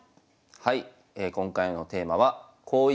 はい。